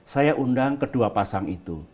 saya undang kedua pasang itu